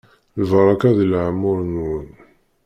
Lbaraka di leɛmur-nwen.